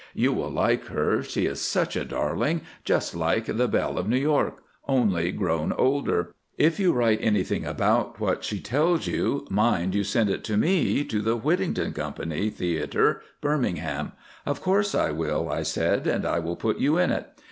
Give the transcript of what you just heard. You will like her, she is such a darling—just like the "Belle of New York," only grown older. If you write anything about what she tells you, mind you send it to me, to the Whittington Company, ⸺ Theatre, Birmingham." "Of course I will," I said, "and I will put you in it."